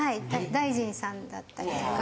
大臣さんだったりとか。